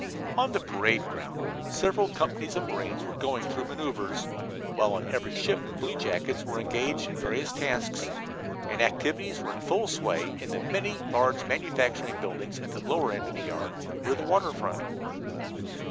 On the parade ground several companies of marines were going through maneuvers, while on every ship bluejackets were engaged in various tasks, and activities were in full sway in the many large manufacturing buildings at the lower end of the yard, near the waterfront.